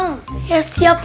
mbak kal sudah siap belum